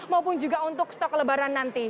maupun juga untuk stok lebaran nanti